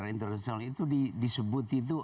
itu disebut itu